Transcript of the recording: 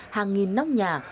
hàng nghìn nóc nhà